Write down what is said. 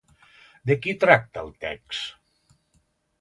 De qui tracta el text?